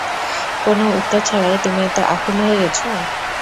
কোন উত্তর ছাড়াই তুমি এত আকুল হয়ে গেছো?